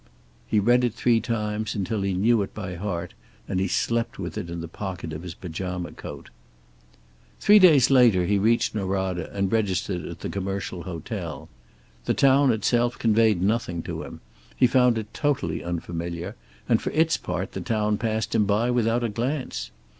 He read it three times, until he knew it by heart, and he slept with it in the pocket of his pajama coat. Three days later he reached Norada, and registered at the Commercial Hotel. The town itself conveyed nothing to him. He found it totally unfamiliar, and for its part the town passed him by without a glance.